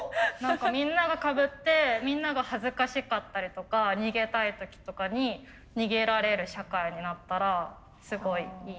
みんながかぶってみんなが恥ずかしかったりとか逃げたい時とかに逃げられる社会になったらすごいいい。